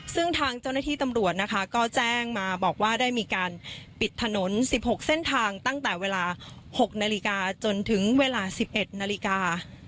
ซึ่งทางเจ้าหน้าที่ตำรวจนะคะก็แจ้งมาบอกว่าได้มีการปิดถนน๑๖เส้นทางตั้งแต่เวลา๖นาฬิกาจนถึงเวลา๑๑นาฬิกา